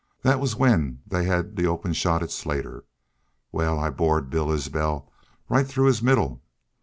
That war, when they had the open shot at Slater.... Wal, I bored Bill Isbel right through his middle.